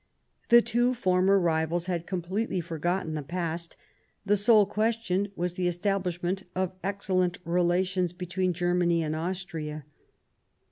The two former rivals had completely forgotten the past ; the sole question was the establish ment of excellent relations between Germany and Austria.